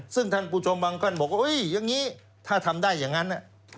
ซึ่งท่านผู้ชมบางท่านบอกว่าอย่างนี้ถ้าทำได้อย่างนั้น